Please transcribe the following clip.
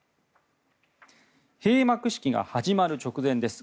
閉幕式が始まる直前です。